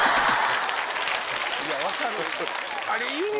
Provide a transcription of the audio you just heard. いや分かる。